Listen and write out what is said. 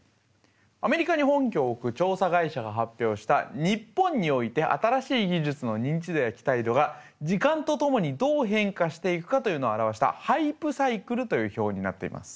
アメリカに本拠を置く調査会社が発表した日本において新しい技術の認知度や期待度が時間とともにどう変化していくかというのを表したハイプ・サイクルという表になっています。